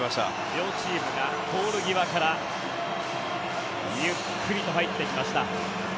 両チームがポール際からゆっくりと入ってきました。